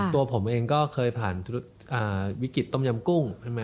ตัวผมเองก็เคยผ่านวิกฤตต้มยำกุ้ง